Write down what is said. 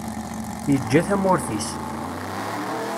Yeǧǧa tamurt-is.